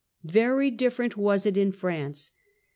Very different was it in France.